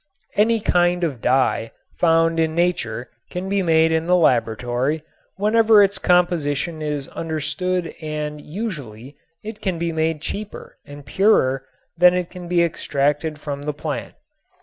Any kind of dye found in nature can be made in the laboratory whenever its composition is understood and usually it can be made cheaper and purer than it can be extracted from the plant.